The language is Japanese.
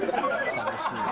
寂しい。